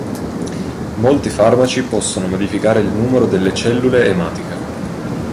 Molti farmaci possono modificare il numero delle cellule ematiche.